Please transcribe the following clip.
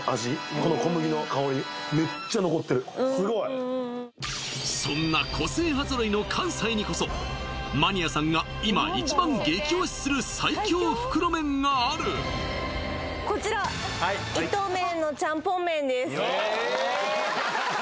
この小麦の香りめっちゃ残ってるすごいそんな個性派揃いの関西にこそマニアさんが今一番激推しする最強袋麺があるこちらイトメンのチャンポンめんです